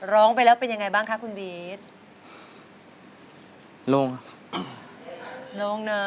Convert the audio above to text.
รับไว้กูเดียว